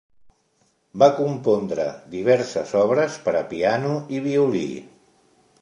Va compondre diverses obres per a piano i violí.